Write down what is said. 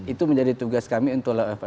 itu menjadi tugas kami untuk